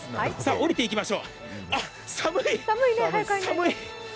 下りていきましょう、あっ寒い！